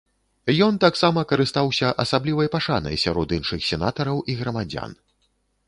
Ён таксама карыстаўся асаблівай пашанай сярод іншых сенатараў і грамадзян.